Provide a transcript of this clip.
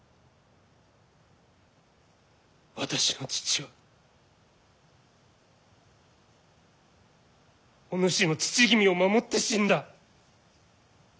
私の父はお主の父君を守って死んだ。